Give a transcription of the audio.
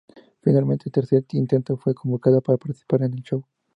Finalmente, al tercer intento, fue convocada para participar en el show.